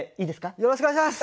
よろしくお願いします！